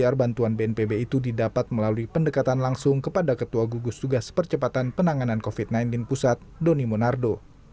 pcr bantuan bnpb itu didapat melalui pendekatan langsung kepada ketua gugus tugas percepatan penanganan covid sembilan belas pusat doni monardo